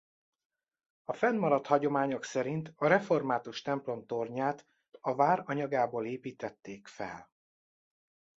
A fennmaradt hagyományok szerint a református templom tornyát a vár anyagából építették fel.